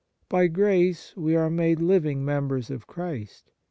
By grace we are made living members of Christ.